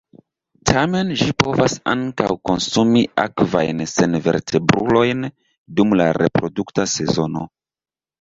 Tamen ĝi povas ankaŭ konsumi akvajn senvertebrulojn dum la reprodukta sezono.